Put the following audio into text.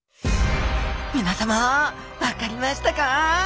皆さま分かりましたか？